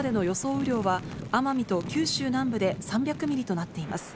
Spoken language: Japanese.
雨量は、奄美と九州南部で３００ミリとなっています。